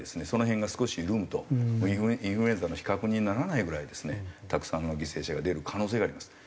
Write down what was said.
その辺が少し緩むとインフルエンザの比較にならないぐらいですねたくさんの犠牲者が出る可能性があります。